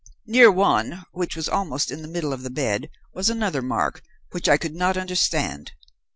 Near one, which was almost in the middle of the bed, was another mark which I could not understand.